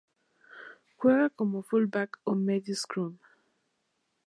Juega como fullback o medio scrum.